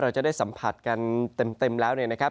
เราจะได้สัมผัสกันเต็มแล้วเนี่ยนะครับ